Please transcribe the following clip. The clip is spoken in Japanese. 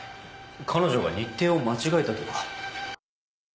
彼女が日程を間違えたとか。